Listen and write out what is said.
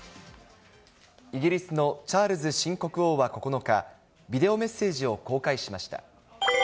イギリスのチャールズ新国王は９日、ビデオメッセージを公開しました。